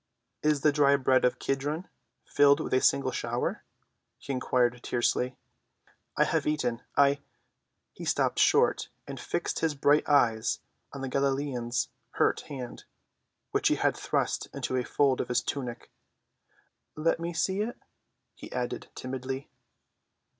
"Is the dry bed of Kedron filled with a single shower?" he inquired tersely. "I have eaten. I—" He stopped short and fixed his bright eyes on the Galilean's hurt hand, which he had thrust into a fold of his tunic. "Let me see it," he added timidly.